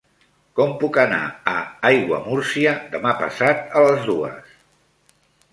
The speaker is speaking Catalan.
Com puc anar a Aiguamúrcia demà passat a les dues?